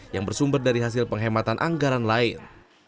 yang bersumber dari hasil penghematan anggaran lain